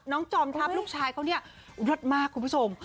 น้องจอมทัพลูกชายเขาเนี่ยรวดมากคุณผู้ชม